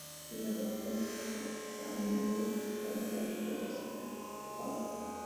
Fue el primer "Woyzeck" de la posguerra alemana, y representó varias veces a "Fausto".